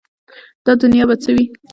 دا دنیا به څه وي ؟